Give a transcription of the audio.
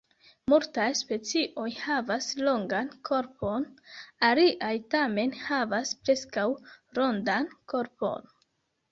Multaj specioj havas longan korpon, aliaj tamen havas preskaŭ rondan korpon.